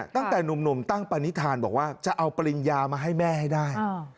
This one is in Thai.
ตั้งแต่หนุ่มตั้งปณิธานบอกว่าจะเอาปริญญามาให้แม่ให้ได้